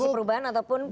koalisi perubahan ataupun